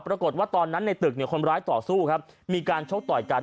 ตอนนั้นในตึกเนี่ยคนร้ายต่อสู้ครับมีการชกต่อยกัน